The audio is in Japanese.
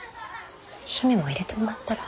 姫も入れてもらったら？